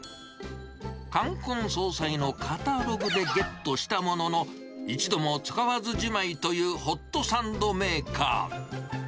冠婚葬祭のカタログでゲットしたものの、一度も使わずじまいというホットサンドメーカー。